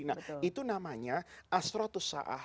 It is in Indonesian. nah itu namanya astrotusaah